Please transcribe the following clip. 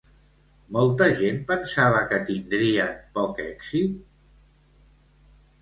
Molta gent pensava que tindrien poc èxit?